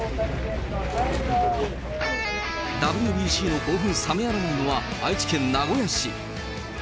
ＷＢＣの興奮冷めやらないのは、愛知県名古屋市。